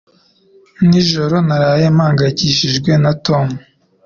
Nijoro naraye mpangayikishijwe na Tom.